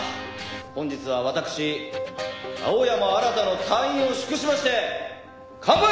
本日は私青山新の退院を祝しまして乾杯！